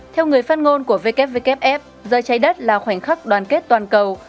theo người phát ngôn của wwff giờ trái đất là khoảnh khắc đoàn kết toàn cầu